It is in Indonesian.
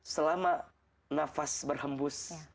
selama nafas berhembus